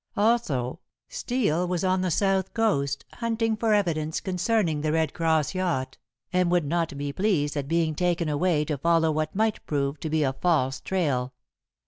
Also, Steel was on the south coast, hunting for evidence concerning The Red Cross yacht, and would not be pleased at being taken away to follow what might prove to be a false trail.